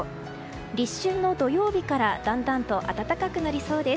立春の土曜日からだんだんと暖かくなりそうです。